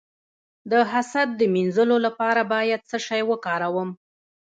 د حسد د مینځلو لپاره باید څه شی وکاروم؟